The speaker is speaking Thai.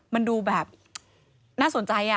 มันดูแบบน่าสนใจ